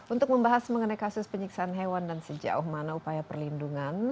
untuk membahas mengenai kasus penyiksaan hewan dan sejauh mana upaya perlindungan